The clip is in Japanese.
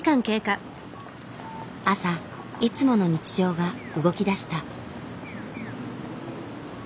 朝いつもの日常が動きだした。